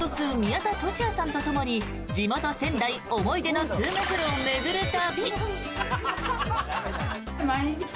宮田俊哉さんとともに地元・仙台、思い出の通学路を巡る旅。